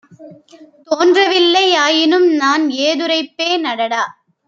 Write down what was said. தோன்றவில்லை; ஆயினும்நான் ஏதுரைப்பேன் அடடா!